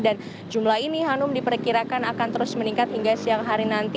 dan jumlah ini hanum diperkirakan akan terus meningkat hingga siang hari nanti